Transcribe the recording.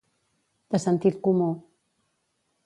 De sentit comú.